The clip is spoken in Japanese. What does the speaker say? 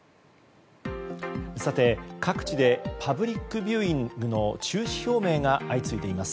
さて、各地でパブリックビューイングの中止表明が相次いでいます。